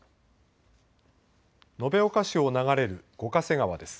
延岡市を流れる五ヶ瀬川です。